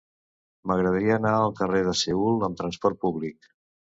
M'agradaria anar al carrer de Seül amb trasport públic.